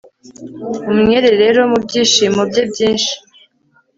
Umwere rero mubyishimo bye byinshi